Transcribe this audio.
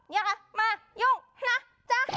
อย่างนี้ค่ะมายกนะจ๊ะ